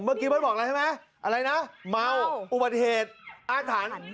เมื่อกี้เบิร์ตบอกอะไรใช่ไหมอะไรนะเมาอุบัติเหตุอาถรรพ์